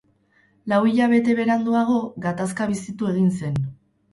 Lau hilabete beranduago, gatazka bizitu egin zen.